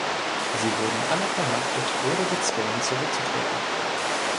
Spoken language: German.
Sie wurden alle verhaftet oder gezwungen zurückzutreten.